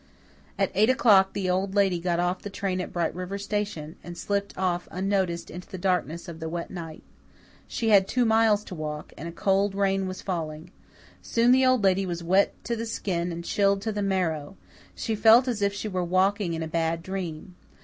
At eight o'clock the Old Lady got off the train at Bright River station, and slipped off unnoticed into the darkness of the wet night. She had two miles to walk, and a cold rain was falling. Soon the Old Lady was wet to the skin and chilled to the marrow. She felt as if she were walking in a bad dream.